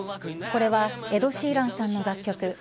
これはエド・シーランさんの楽曲